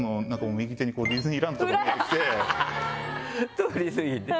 通り過ぎて。